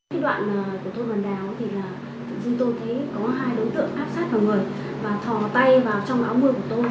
có hai đối tượng áp sát vào người và thò tay vào trong áo mưa của tôi